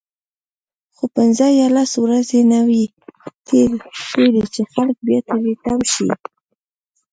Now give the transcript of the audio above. خو پنځه یا لس ورځې نه وي تیرې چې خلک بیا تری تم شي.